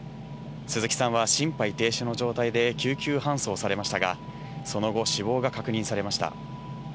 鈴木さんは心肺停止の状態で救急搬送されましたが、その後、死亡が確認されました。